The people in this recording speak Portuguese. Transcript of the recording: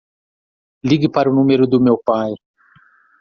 Ligue para o número do meu pai.